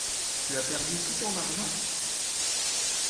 Tu as perdu tout ton argent ?